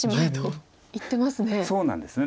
そうなんですね。